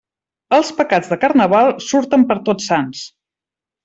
Els pecats de Carnaval surten per Tots Sants.